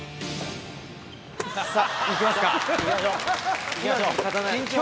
さぁいきますか。